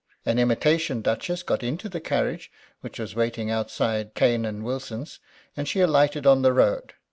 An imitation duchess got into the carriage, which was waiting outside Cane and Wilson's and she alighted on the road.